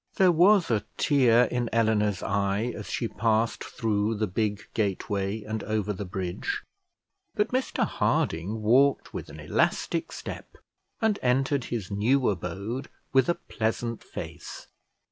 There was a tear in Eleanor's eye as she passed through the big gateway and over the bridge; but Mr Harding walked with an elastic step, and entered his new abode with a pleasant face.